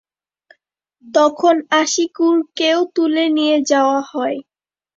তখন আশিকুরকেও তুলে নিয়ে যাওয়া হয়।